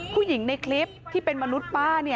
ผู้หญิงในคลิปที่เป็นมนุษย์ป้า